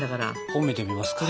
本見てみますか。